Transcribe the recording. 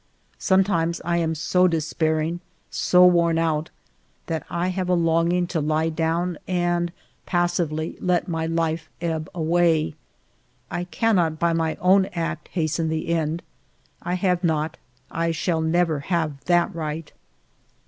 Sometimes I am so despairing, so worn out, that I have a longing to lie down and passively let my life ebb away. I cannot by my own act hasten the end. I have not, I shall never have, that right.